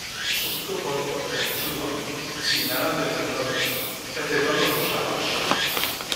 Su pico corto y ganchudo, similar al de los loros, es de tonos rosados.